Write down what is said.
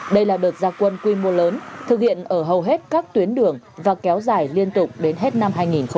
đây là đợt gia quân quy mô lớn thực hiện ở hầu hết các tuyến đường và kéo dài liên tục đến hết năm hai nghìn hai mươi